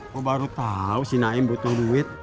kok baru tahu si naim butuh duit